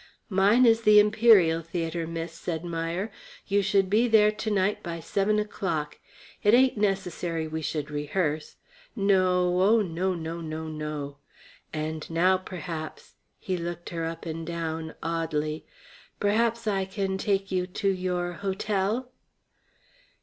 "Mine is the Imperial Theatre, Miss," said Meier. "You should be there to night by seven o'clock. It ain't necessary we should rehearse. No, oh, no, no, no, no! And now, perhaps" he looked her up and down, oddly "perhaps I can take you to your hotel?"